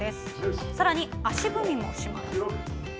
さらに足踏みもします。